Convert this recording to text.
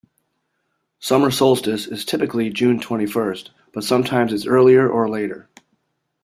Summer solstice is typically June twenty-first, but sometimes it's earlier or later.